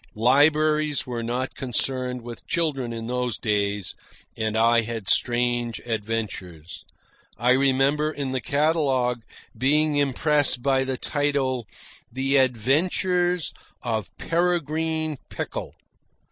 Libraries were not concerned with children in those days, and I had strange adventures. I remember, in the catalogue, being impressed by the title, "The Adventures of Peregrine Pickle."